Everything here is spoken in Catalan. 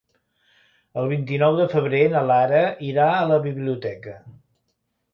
El vint-i-nou de febrer na Lara irà a la biblioteca.